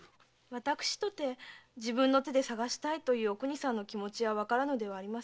私とて自分の手で捜したいというお邦さんの気持ちはわかります。